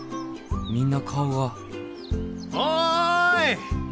みんな顔がおい！